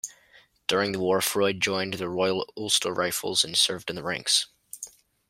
During the war Freud joined the Royal Ulster Rifles and served in the ranks.